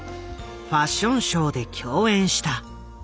ファッションショーで共演した。